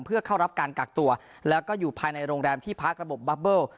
เพื่อเข้ารับการกักตัวแล้วก็อยู่ภายในโรงแรมที่พักระบบบับเบิล